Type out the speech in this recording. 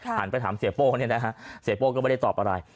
หันไปถามเสียโป้เนี่ยนะฮะเสียโป้ก็ไม่ได้ตอบอะไร